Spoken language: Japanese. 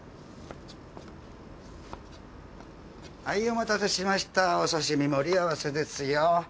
はいお待たせしましたお刺身盛り合わせですよ。